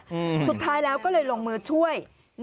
สุดท้ายแล้วก็เลยลงมือช่วย